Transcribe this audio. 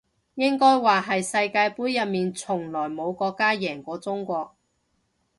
應該話係世界盃入面從來冇國家贏過中國